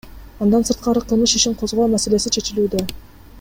Андан сырткары кылмыш ишин козгоо маселеси чечилүүдө.